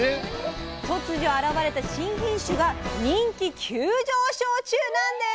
突如現れた新品種が人気急上昇中なんです！